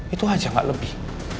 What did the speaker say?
itu aja gak lebih